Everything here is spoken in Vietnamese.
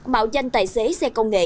bạo danh tài xế xe công nghệ